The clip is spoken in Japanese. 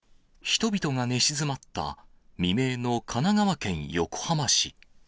人々が寝静まった未明の神奈川県横浜市。